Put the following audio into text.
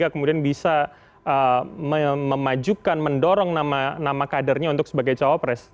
kemudian bisa memajukan mendorong nama kadernya untuk sebagai cawapres